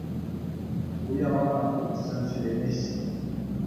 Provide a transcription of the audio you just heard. Ку яла автобуссем ҫӳремеҫҫӗ.